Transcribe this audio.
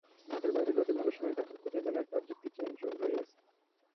মাঠের বাইরে যতই ভালো সময় কাটুক, কোথায় যেন একটা অতৃপ্তি চেনচোর রয়েই গেছে।